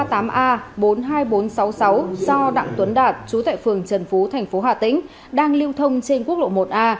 do đặng tuấn đạt chú tại phường trần phú thành phố hà tĩnh đang lưu thông trên quốc lộ một a